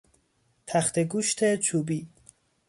تخته گوشت چوبی